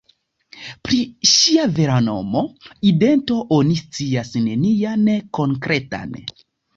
Pri ŝia vera nomo, idento oni scias nenian konkretan.